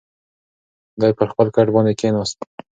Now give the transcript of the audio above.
دی پر خپل کټ باندې کښېناست.